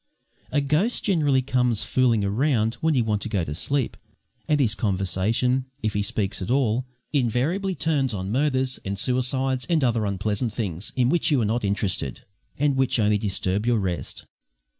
A ghost generally comes fooling around when you want to go to sleep, and his conversation, if he speaks at all, invariably turns on murders and suicides and other unpleasant things in which you are not interested, and which only disturb your rest.